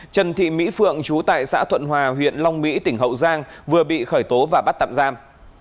trần thị mỹ phượng chú tại xã thuận hòa huyện long mỹ tỉnh hậu giang vừa bị khởi tố và bắt tạm giam